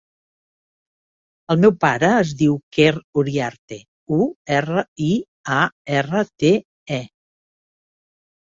El meu pare es diu Quer Uriarte: u, erra, i, a, erra, te, e.